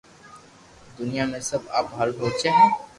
دنيا ۾ سب آپ ھارون سوچي ھي